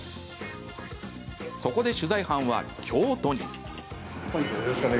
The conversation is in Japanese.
そこで取材班は、京都に。